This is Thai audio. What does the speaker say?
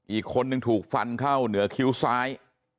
อีกคนนึงถูกฟันเข้าเหนือคิ้วซ้าย